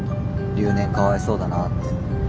留年かわいそうだなって。